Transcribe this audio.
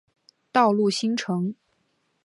道路新城。